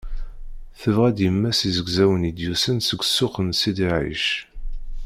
Tebɣa-d yemma-s izegzawen i d-yusan seg ssuq n Sidi Ɛic.